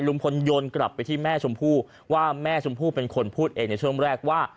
โยนกลับไปที่แม่ชมพู่ว่าแม่ชมพู่เป็นคนพูดเองในช่วงแรกว่า